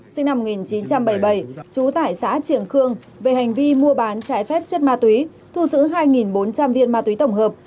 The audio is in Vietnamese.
sinh năm một nghìn chín trăm bảy mươi bảy trú tải xã trường khương về hành vi mua bán trái phép chất ma tuy thu giữ hai bốn trăm linh viên ma tuy tổng hợp